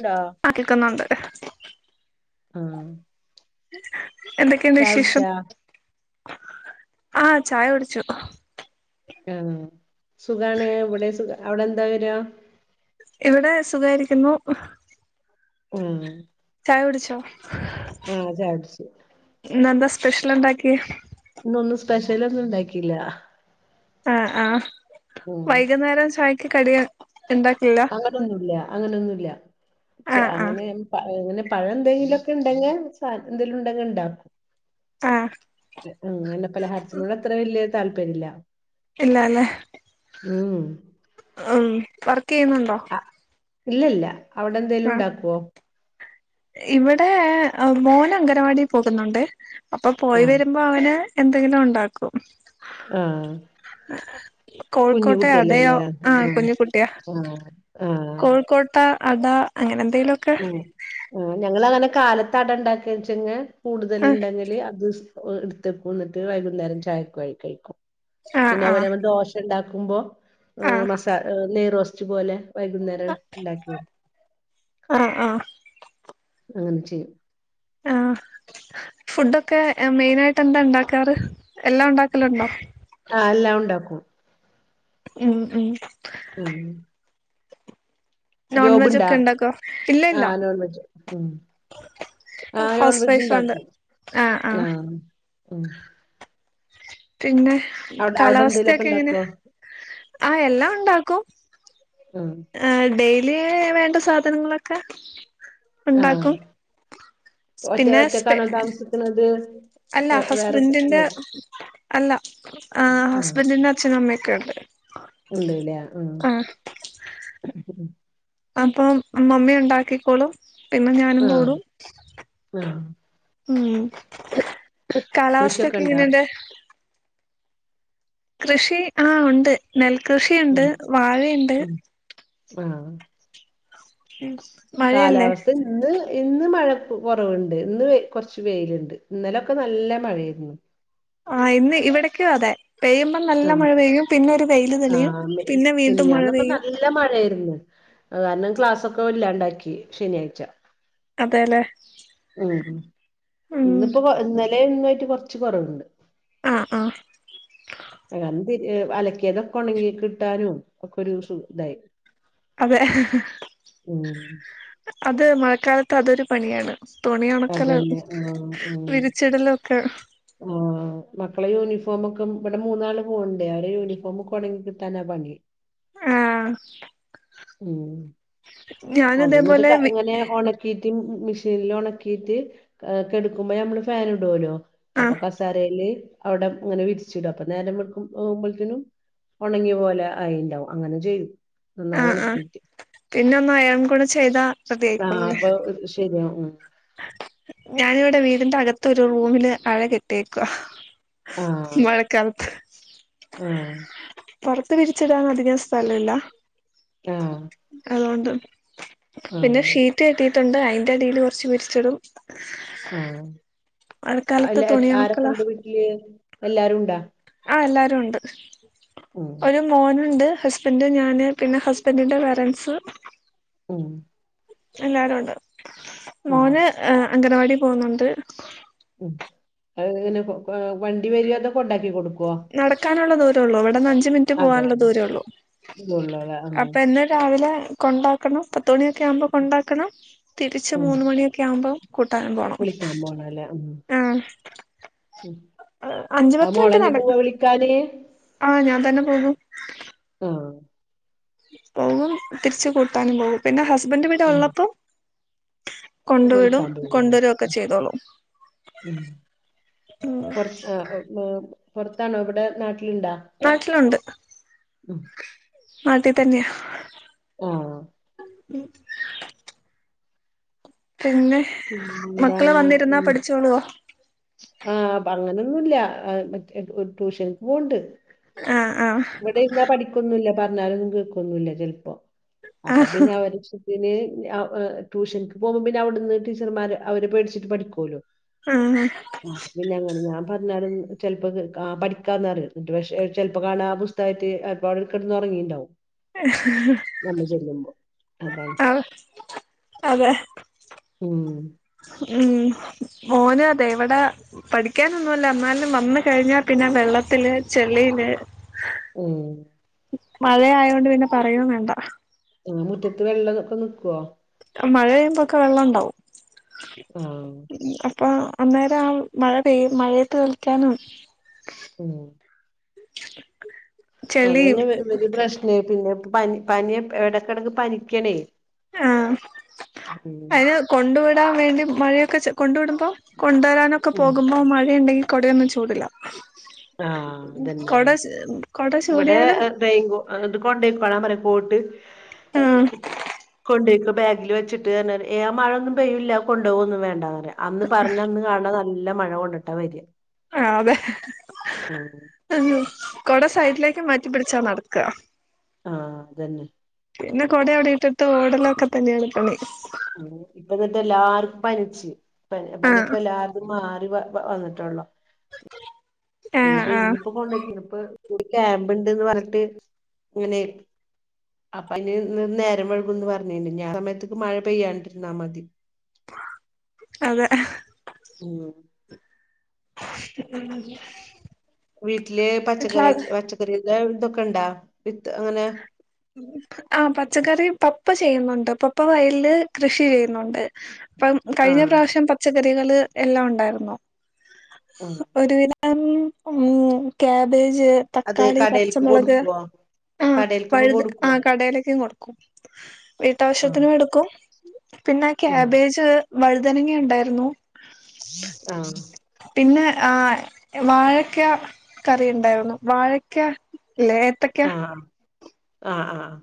ണ്ടോ [unintelligible] ആഹ് എന്തൊക്കെയുണ്ട് വിശേഷം കുടിച്ചാ ആഹ് ചായ കുടിച്ചു. ആഹ് സുഖാണ് ഇവിടെ സുഖ അവിടെ എന്താ വിവരം. ഇവിടെ സുഖയിരിക്കുന്നു. ഉം ചായ കുടിച്ചോ? ആഹ് ചായ കുടിച്ച് ഇന്ന് എന്താ സ്പെഷ്യൽ ഉണ്ടാക്കിയെ? ഇന്നൊന്നും സ്പെഷ്യൽ ഒന്നും ഉണ്ടാക്കിയില്ല. ആഹ് ആഹ് വൈകുന്നേരം ചായക്ക് കടിയ ഉണ്ടാക്കില്ലേ അങ്ങനൊന്നുല്ല അങ്ങനെയൊന്നുല്ല ചെ ആ ആ അങ്ങനെ അങ്ങനെ പഴ എന്തെങ്കിലുമൊക്കെ ഉണ്ടെങ്കിൽ എന്തേലും ഉണ്ടെങ്കിൽ ഉണ്ടാക്കും. ആ അങ്ങനെ പലഹാരത്തിനോട് അത്ര വലിയ താല്പര്യം ഇല്ല. ഇല്ല അല്ലേ [unintelligible] ഉം വർക്ക് ചെയ്യുന്നുണ്ടോ? ഇല്ല ഇല്ല അവിടെ എന്തേലും ആ ഉണ്ടാക്കുവോ? ഇവിടെ മോൻ അംഗനവാടി പോകുന്നുണ്ട് അപ്പൊ ആഹ് പോയിവരുമ്പോ അവന് എന്തെങ്കിലും ഒണ്ടാക്കും. ആഹ് [unintelligible] കുഞ്ഞു കോഴിക്കോട്ടെ കുട്ടിയല്ലേ അടയാ അല്ലേ ആഹ് കുഞ്ഞിക്കുട്ടിയാ ആഹ് ആഹ് കോഴിക്കോട്ട ട്ടാ അട അങ്ങനെ എന്തേലും ഉം ഹ് ഞങ്ങൾ അങ്ങനെ കാലത്ത് അട ഉണ്ടാക്കി വെച്ച് കൂടുതൽ ഉണ്ടെങ്കില് അത് എടുത്തക്കും എന്നിട്ട് വൈകുന്നേരം ചായക്ക് കഴിക്കും ആ ആ പിന്നെ ആ അത് പോലെ നമ്മ ദോശ ഉണ്ടാക്കുമ്പോ ആ മസ നെയ് റോസ്റ്റ് പോലെ വൈകുന്നേരം ഉണ്ടാക്കിട്ക്കും ആഹ് ആഹ് അങ്ങനെ ചെയ്യും ആഹ് ഫുഡൊക്കെ മെയിൻ ആയിട്ട് എന്താ ഉണ്ടാക്കാറ് എല്ലാം ഉണ്ടാക്കലുണ്ടോ? ആഹ് എല്ലാം ഉണ്ടാക്കും ഉം ഉം ഉം നോൺ വെജ് ജോബ്ണ്ടാ? ഒക്കെ ഉണ്ടാക്കോ ഇല്ല ഇല്ല ആഹ് ഗവണ്മെന്റ് ജോബ് ഉം ആഹ് ഹൗസ് നോൺവെജ് വൈഫാണ്ട് ഉണ്ടാക്കും. ആഹ് ഉം പിന്നെ അവടെ അവടെ എന്തേലൊക്കെ കാലാവസ്ഥയൊക്കെ എങ്ങനെ ഇണ്ടാക്കോ ആഹ് എല്ലാം ഉണ്ടാക്കും. ഉം ആഹ് ഡെയിലി വേണ്ട സാധനങ്ങളൊക്കെ ആഹ് ഉണ്ടാക്കും സ്പിന്നെ സ്‌പെ ത് അല്ല ഹസ്ബൻഡിന്റെ അല്ല ആഹ് ഹസ്ബൻഡിന്റെ അച്ഛനും അമ്മയൊക്കെ ഉണ്ട് ആഹ് ഉണ്ട്ല്ലേ ഉം ആഹ് അപ്പൊ മമ്മി ഉണ്ടാക്കിക്കോളും പിന്നെ ഞാനും ആഹ് കൂടും ആഹ് ഉം കാലാവസ്ഥ കൃഷിയൊക്കെ ഒക്കെ ഇണ്ടാ എങ്ങനെയണ്ട് കൃഷി ആഹ് ഉണ്ട് ഉം നെൽകൃഷിയുണ്ട് വാഴയുണ്ട് ഉം ആഹ് ഉം മഴയല്ലേ കാലാവസ്ഥ ഇന്ന് ഇന്ന് മഴ കൊറവ്ണ്ട് ഇന്ന് കൊറച്ച് വെയില്ണ്ട് ഇന്നലൊക്കെ നല്ല മഴയായിരുന്നു ആഹ് ഇന്ന് ഇവിടേക്കു അതെ പെയ്യുമ്പോ നല്ല ആഹ് മഴ പെയ്യും. പിന്നെ ഒരു വെയില് തെളിയും പിന്നെ വീണ്ടും മഴ പെയ്യും. ല്ല മഴായിരുന്നു. അത് കാരണം ക്ലാസ്സൊക്കെ ഇല്ലാണ്ടാക്കി ശനിയാഴ്ച അതെ ല്ലേ. ഉം ഇന്നിപ്പോ ഇന്നലേം ഇന്നായിട്ട് കൊറച്ച് കൊറവുണ്ട് ആഹ് ആഹ് ഏതായാലും തിരി അലക്ക്യതൊക്കെ ഒണങ്ങി കിട്ടാനും ഒക്കെ ഒരു സുഖ ഇതായി അതെ ഉം അത് മഴക്കാലത്ത് അതൊരു പണിയാണ്. തുണി ഒണക്കലും അതന്നെ ആഹ് വിരിച്ചിടലൊക്കെ ഓഹ് ആ മക്കളെ യൂണിഫോമ് ഒക്കെ ഇവിടെ മൂന്നാള് പോക്ണ്ടേ അവര് യൂണിഫോമ് ഒക്കെ ഒണങ്ങി കിട്ടാനാ പണി ആഹ് ഉം ഞാന് അത് ന്നിട്ട് ഇതേപോലെ ക വി ഇങ്ങനെ ഒണക്കി ക്കീട്ട് മിഷീനിൽ ഉണക്കീട്ട് കെടുക്കുമ്പോ നമ്മള് ഫാന് ഇടൊല്ലോ. അപ്പൊ ആഹ് കസാരയില് അവിടെ ങ്ങനെ വിരിച്ചുടും. അപ്പൊ നേരും വേൾക്കും പോകുമ്പോത്തിനും. ഒണങ്ങി പോലെ അയിണ്ടാവും അങ്ങനെ ചെയ്തു ആഹ് ആഹ് പിന്നെ ഒന്ന് അയൺ കൂടെ ചെയ്താ റെഡി ആഹ് ആയിക്കോളൂല്ലേ അപ്പൊ ശരിയാ ഉം. ഞാനിവിടെ വീടിന്റെ അകത്ത് ഒരു റൂമില് അഴ കെട്ടിയേക്കുവാ ആഹ് മഴക്കാലത്ത്. ആഹ് പൊറത്ത് വിരിച്ചിടാൻ അധികം സ്ഥലവില്ല ആഹ് അതോണ്ട്. പിന്നെ ആഹ് ഷീറ്റ് കെട്ടിയിട്ടുണ്ട്. അതിന്റെ അടീല് കു ച്ച് പെരിച്ചിടും ആഹ് എല്ല ആരൊക്കെ ഒണക്കല ഉണ്ട് വീട്ടില് എല്ലാരുണ്ടാ ആഹ് എല്ലാരും ഉണ്ട് ഉം ഒരു മോനുണ്ട് ഹസ്ബൻഡ്, ഞാന് പിന്നെ ഹസ്ബൻഡിന്റെ പേരൻറ്സ്. ഉം എല്ലാരു ഉണ്ട് ഉം മോന് അംഗനവാടി പോന്നുണ്ട് അങ്ങനെ കൊ വണ്ടി വരോ അതോ കൊണ്ടാക്കി കൊടുക്കുവോ നടക്കാനുള്ള ദൂരള്ളൂ. ഇവിടെന്ന് അഞ്ച് പത്തു മിനുട്ട് അതെ പോവാനുള്ള ദൂരമെള്ളൂ ഉള്ളൂല്ലേ ആ അപ്പം എന്നെ രാവിലെ കൊണ്ടാ ആക്കണം പത്ത് മണിയൊക്കെ ആവുമ്പോ കൊണ്ടാക്കണം തിരിച്ച് ഉം മൂന്ന് മണിയൊക്കെ ആവുമ്പോ കൂട്ടാനും പോണം. വിളിക്കാൻ പോണല്ലേ ഉം ആഹ് ഉം അഞ്ചു പത്ത് മിനിറ്റ് നട കളി ആഹ് ഞാൻ തന്നെ പോകും ആഹ് പോവും. തിരിച്ച് കൂട്ടാനും പോകും. പിന്നെ ഹസ്ബൻഡ് വീടെ ഉം ഉള്ളപ്പോ കൊണ്ട് വിടും. വിളിക്കാൻ പോവൂല്ലേ കൊണ്ടുവരും ഒക്കെ ചെയ്തോളൂ. അ [unintelligible] പുറത്താണോ ഇവിടെ നാട്ടിലുണ്ടാ നാട്ടിലുണ്ട് ഉം അതെ. തന്നെയാ. ആഹ് പിന്നെ മക്കള് പിന്നെന്താണ് തന്നിരുന്നാ പഠിച്ചോളുവോ ആഹ് അപ്പൊ അങ്ങനൊന്നുല്ല മറ്റെ ട്യൂഷനിക്ക് പോണ്ട് ആഹ് ആഹ് ഇവിടിരുന്ന പഠിക്കൊന്നില്ല പറഞ്ഞാലൊന്നും കേൾക്കൊന്നില്ല ചിലപ്പോ അപ്പൊ ആഹ് പിന്നെ അവര് ഇഷ്ട പിന്നെ ട്യൂഷനിക്ക് പോകുമ്പോ പിന്നെ അവിടെന്ന് ടീച്ചർമാര് അവര് പേടിച്ചിട്ട് പഠിക്കുല്ലോ ആം ഹ [unintelligible] [unintelligible] അപ്പൊ കിടന്ന് ഒറങ്ങിണ്ടാവും [unintelligible] അതാണ് ആഹ് അതെ ഉം ഉം മോനാതെ ഇവിടെ പഠിക്കാനൊന്നുല്ല എന്നാലും വന്ന കഴിഞ്ഞാ പിന്നെ വെള്ളത്തില് ചെളില് ഉം മഴയായോണ്ട് പിന്നെ പറയെം വേണ്ട ആഹ് മുറ്റത്ത് വെള്ളംക്കെ നിക്കുവോ മഴ പെയ്യുമ്പോക്കെ വെള്ളം ഉണ്ടാവും ആഹ് അപ്പൊ അന്നേരം ആ മഴ പെയ്യ മഴയത്ത് കളിക്കാനും ഉം ചെളീം പി പിന്നെ പനി പനിയ എടക്കിടക്കു പനിക്കണേ. ആഹ് അത് കൊണ്ടു വിടാൻ വേണ്ടി മഴയൊക്കെ ച കൊണ്ട് വിടുമ്പോ കൊണ്ടുവരാനൊക്കെ ഉം പോകുമ്പോ മഴയുണ്ടെങ്കിൽ കൊടയൊന്നും ചൂടില്ല ആഹ് അതന്നെ കൊട കൊട ചൂടിയാലും റെയിൻ കോ അന്നിട് കൊണ്ടയികോളാൻ പറയും കോട്ട് ആഹ് കൊടെക്ക് ബാഗില് വച്ചി ട്ട് മഴൊന്നും പെയ്യുല്ല കൊുപോകന്ന് വേണ്ടന്ന് അന്ന് പറഞ്ഞ അന്ന് നല്ല മഴ കൊണ്ടിട്ടാ വരിക ആഹ് അതെ [unintelligible] ഉം കൊട സൈഡിലേക്ക് മാറ്റി പിടിച്ചാ നടക്ക ആ അതന്നെ പിന്നെ കുട അവിടെ ഇട്ടിട്ട് ഓടലൊക്കെ തന്നെയാണ് കളി ഇപ്പ എന്നിട്ടെല്ലാർക്കും പനിച് ആഹ് പനിയൊക്കെ എല്ലാർകും മാറി വന്നിട്ടുള്ളൂ ആഹ് ഇനിയിപ്പോ ആഹ് ഇന്നിപ്പോ [inaudible] ഒരു ക്യാമ്പ് ഒണ്ടെന്ന് പറഞ്ഞിട്ട് അപ്പൊ അതിന് നേരം വഴകുംന്ന് പറഞ്ഞിട്ടണ്ട് ഞാൻ സമയത്തേക്ക് മഴ പെയ്യാണ്ടിരുന്നാൽ മതി അതെ ഉം ഉം വീട്ടില് പച്ചക്കറി പച്ചക്കറിയക്കാ ഇതൊക്കെ ഇണ്ടാ വിത്ത് അങ്ങനെ ആഹ പച്ചക്കറി പപ്പ ചെയ്യുന്നുണ്ട് പപ്പ വയലില് കൃഷി ചെയ്യുന്നുണ്ട്. ഇപ്പം കഴിഞ്ഞ ആഹ് പ്രാവശ്യം പച്ചക്കറികള് എല്ലാം ഉണ്ടായിരുന്നു. ഉം ഒരുവിധം ഉ ക്യാബേജ്, അത് തക്കാളി, കടേൽക്ക് പച്ചമുളക്, കൊടുക്കുവോ ആഹ് കടേൽക്കൊക്കെ പഴുത് ആ കൊടുക്കുവോ കടെലേക്കും കൊടുക്കും ആഹ് വീട്ടാവശ്യത്തിനും എടുക്കും. പിന്നെ ഉം ക്യാബേജ്, വഴുതനങ്ങ, ഉണ്ടായിരുന്നു. ആഹ് പിന്നെ വാഴക്ക കറി ഉണ്ടായിരുന്നു വാഴക്ക ലേ എത്ത ആഹ് ആഹങ ആഹ്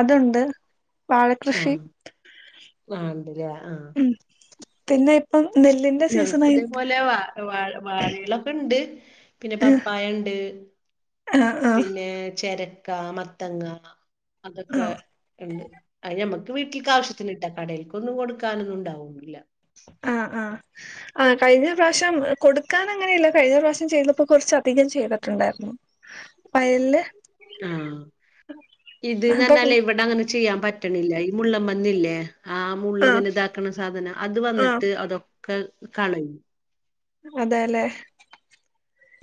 അതുണ്ട് വാഴകൃഷി ആഹ് ആഹ് ഉണ്ടല്ലേ ആഹ് ഉം പിന്നെ ഇപ്പം നെല്ലിന്റെ സീസൺ ഞങ്ങക്കും ആയിട്ട് ഇതേപോലെ വാ വാഴ വാഴകളൊക്കെണ്ട് പിന്നെ ആഹ് പപ്പായണ്ട്, ആഹ് പിന്നെ ചിരക്ക, മത്തങ്ങ. ആഹ് അതൊക്കെണ്ട് അതിന് ഞമ്മക്ക് വീട്ടിലക്ക് ആവശ്യത്തിന്ണ്ട് കടയിൽക്കൊന്നും കൊടുക്കാനൊന്നും ഉണ്ടാവുല്ല. ആഹ് ആഹ് ആഹ് കഴിഞ്ഞ പ്രാവശ്യം കൊടുക്കാൻ അങ്ങനെയില്ല കഴിഞ്ഞ പ്രാവശ്യം ചെയ്യതപ്പോ കുറച്ച് അധികം ചെയ്തിട്ടുണ്ടായിരുന്നു. വയലില് ആ ഇത്ന്ന് എന്ന് അപ്പൊ പറഞ്ഞാലേ ഇവിടെ അങ്ങനെ ചെയ്യാൻ പ പിന്നെല്ലേ ഈ മുള്ള പന്നില്ലേ ആ മുള്ള് ആഹ് ഇങ്ങനെ ഇതാക്കണ സാധനം അത് ആഹ് വന്നിട്ട് അതൊ [unintelligible] കളയും അതേല്ലേ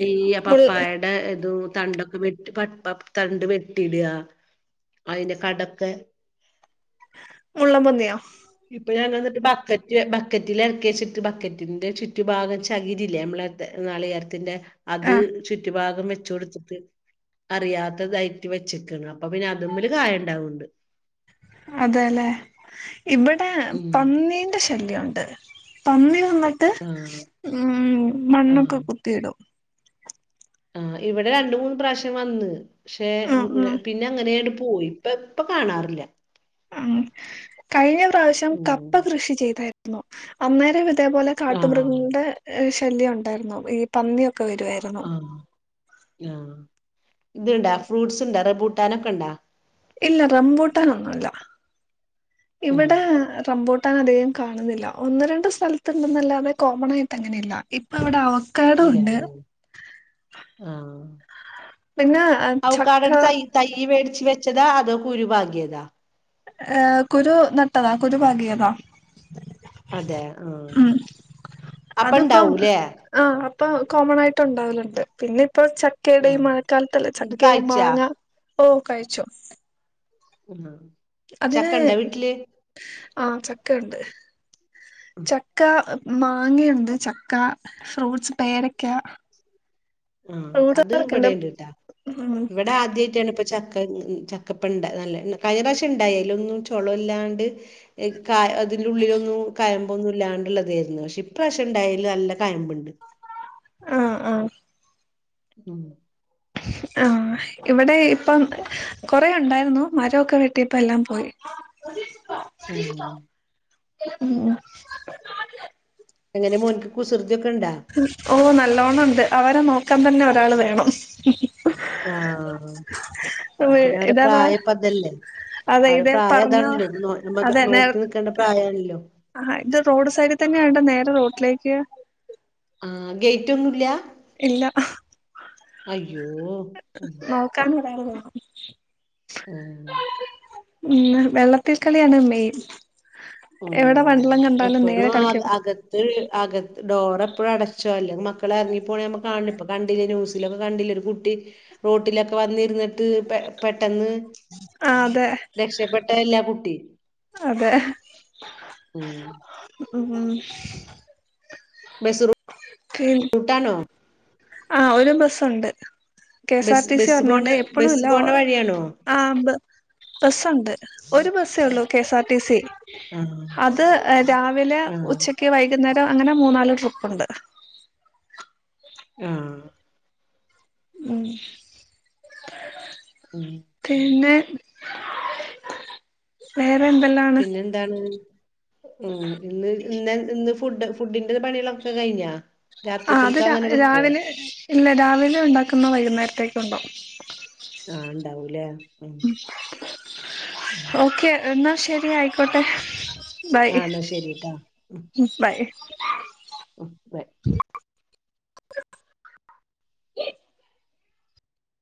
ഈ പപ്പായയുടെ ഇത് തണ്ടൊക്കെ വെട്ടി പപ്പ പ തണ്ട് വെട്ടിയിടുക അതിന്റെ കടക്ക് മുള്ളൻപന്നിയോ ഇപ്പൊ ഞാൻ വന്നിട്ട് ബക്കറ്റ് ബക്കറ്റിൽ ഇറക്കി വെച്ചിട്ട് ബക്കറ്റിന്റെ ചുറ്റു ഭാഗം ചകിരില്ലേ നമ്മള ത് നാളികരത്തിന്റെ അത് ആഹ് ചുറ്റുഭാഗം വെച്ച് കൊടുത്തു അറിയാത്തതായിട്ട് വെച്ചക്കണ് അപ്പൊ പിന്നെ അതമ്മില് കായം ഉണ്ടാവണ്ട് അതെല്ലെ ഇവിടെ ഉം പന്നീന്റെ ശ ശല്യണ്ട് പന്നി വന്നിട്ട് ആഹ് ഉം ആഹ് മണ്ണൊക്കെ കുത്തിയിടും ആഹ് ഇവിടെ രണ്ട് മൂന്ന് പ്രാവശ്യം വന്ന് പക്ഷെ ഉം പിന്നെ ഉം പിന്നേ അങ്ങനെയങ് പോയി ഇപ്പ ഇപ്പ കാണാറില്ല ഉം കഴിഞ്ഞ പ്രാവശ്യം കപ്പ ഉം കൃഷി ചെയ്തായിരുന്നു അന്നേരം ഇതേപോലെ ആഹ് കാട്ടുമൃഗങ്ങളുടെ ശല്യം ഉണ്ടായിരുന്നു ഈ പന്നിയൊക്കെ വരുവായിരുന്നു ആഹ് ആഹ് ഇത്ണ്ടാ ഫ്രൂട്ട്സ് ഇണ്ടാ റബൂട്ടാനൊക്കെ ഉണ്ടാ ഇല്ല റംബൂട്ടൻന്നുല്ല ഉം ഇവിടെ റംബൂ ട്ടാൻ അതികം കാണുന്നില്ല ഒന്ന് രണ്ട് സ്ഥലത്ത്ണ്ടെന്നല്ലാതെ കോമൺണായിട്ട് അങ്ങനെയല്ല ഇപ്പ അവിടെ അ ഇല്ലല്ലേ ആഹ് പിന്നെ ആ, ചക്ക അവക്കാടടെ തൈ തൈ വേടിച്ച് വെച്ചതാ അതോ കുരു പാകിയതോ ഏഹ് കുരു നട്ടതാ കുരു പാകിയതാ അതെ ആഹ് ഉം അതിപ്പം അപ്പണ്ടാവുംല്ലേ ആഹ് അപ്പൊ കോമൺണായിട്ട് ഉണ്ടാവലുണ്ട് പിന്നെ ഇപ്പോ ച കേട് ഈ ആഹ് മഴക്കാലത്തല്ല ഇത് ചക്ക കായ്ച്ചാ മാങ്ങ ഓ കയിച്ചോ ആഹ് അതിന് ചക്ക ഇണ്ടാ വീട്ടില് ആഹ് ചക്കണ്ട് ചക്ക, മാങ്ങണ്ട്, ചക്ക, ഫ്രൂട്ട്സ് പേരക്ക. [inaudible] ആഹ് അത് ഇവിടെ ഉണ്ട് കേട്ടാ ഉം ഇവിടെ ആദ്യമായിട്ടാണ് ഇപ്പ ച ക്ക ചക്കപ്പ ഇണ്ട നല്ല കഴിഞ്ഞ പ്രാവശ്യം ഇണ്ടായി അതിലൊന്നും ചോള ഇല്ലാണ്ട് ക അതിൽ ഉള്ളിലൊന്നും കയമ്പൊന്നും ഇല്ലാണ്ട്ള്ളതായിരുന്നു പക്ഷെ ഇപ്രാവശ്യം ഉണ്ടായേല് നല്ല കയമ്പ്ണ്ട് ആഹ് ആഹ് ഉം ആഹ് ഇവടെ ഇപ്പം കൊറെ ഉണ്ടായിരുന്നു മരമൊക്കെ വെട്ടിയപ്പോ എല്ലാം പോയി ഉം ഉം എങ്ങനെ മോൻക്ക് കുസൃതിയൊക്കെ ഉണ്ടാ ഓഹ് നല്ലോണംണ്ട് അവരെ നോക്കാൻ തന്നെ ഒരാള് വേണം ആഹ് പിന്നെ അവരെ ഇതാവാ പ്രായം ഇപ്പം അതല്ലേ അതെ അവരെ ഇതേ പ്രായം പറഞ്ഞോ അതാണല്ലോ നോ നമ്മക്ക് അതെ നേ നോക്കി നിക്കേണ്ട പ്രായാണല്ലോ ആ ഹ ഇത് റോഡ് സൈഡി തന്നെ ആയോണ്ട് നേരെ റോട്ടിലേക്ക് ആഹ് ഗേറ്റ് ഒന്നുല്ല ഇല്ല അയ്യോ ഉം കാണും കാണും കാണും ഉം ഇന്ന് വെള്ളത്തിൽ കളിയാണ് മെയിൻ എവടെ ഉം വെള്ളം കണ്ടാലും നേരെ എപ്പോഴും കളിക്കാണ് [unintelligible] അകത്ത് ഡോറെപ്പഴും അടച്ചോ അല്ലെങ്കി മക്കളെ എറങ്ങിപ്പോണ നമ്മ കാണണ് ഇപ്പൊ കണ്ടില്ലേ ന്യൂസിലൊക്കെ കണ്ടില്ലേ ഒരു കുട്ടി റോട്ടിലക്കെ വന്നിരുന്നിട്ട് പെ പെട്ടെന്ന് ആഹ് അതെ രക്ഷപ്പെട്ടതല്ലേ ആ കുട്ടി അതെ ഉം മ്ഹ് ബസ് റൂ റൂട്ടാണോ ആഹ് ഒര് ബസ്സൊണ്ട്. K S R bus T C bus പോണ ഒരെണ്ണോണ്ട് ബസ് എപ്പളൂല്ല പോണ വഴിയാണോ ആഹ് ബ ബസ്സൊണ്ട് ഒരു ബസ്സേ ഉള്ളു K S R T C ആഹ് അത് രാവിലെ ആഹ് ഉച്ച ക്ക് വൈകുന്നേരം അങ്ങനെ മൂന്നാല് ട്രിപ്പുണ്ട്. ആഹ് ഉം ഉം പിന്നെ വേറെ എന്തെല്ലാം പിന്നെ ന്താണ് ഉം ഇന്ന് ഇന്ന് ഇന്ന് ഫുഡ് ഫുഡിന്റെ പണികളൊക്കെ കഴിഞ്ഞാ ആഹ് അത് രാത്രിക്കൽക്ക് രാ അങ്ങനെ വെക്കുവോ രാവിലെ ഇല്ല രാവിലെ ഉണ്ടാക്കുന്ന വൈകുന്നേരത്തേക്കും ഒണ്ടാവും ആഹ് ഉണ്ടാവൂലേ ഉം മ്ഹ് ഓക്കെ എന്നാ ശരി ആയിക്കോട്ടെ ബൈ ആഹ് എന്നാ ശരിട്ടാ ഉം [unintelligible] ഉം ബൈ